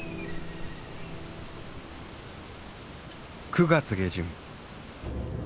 ９月下旬。